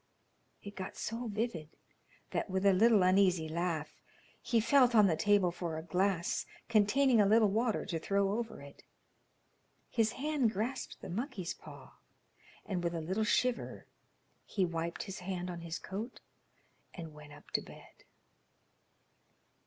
It got so vivid that, with a little uneasy laugh, he felt on the table for a glass containing a little water to throw over it. His hand grasped the monkey's paw, and with a little shiver he wiped his hand on his coat and went up to bed.